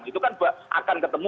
itu kan akan ketemu